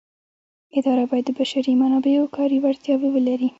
اداره باید د بشري منابعو کاري وړتیاوې ولري.